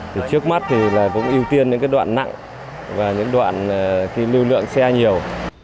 thì trước mắt thì là cũng ưu tiên những cái đoạn nặng và những đoạn khi lưu lượng xe nhiều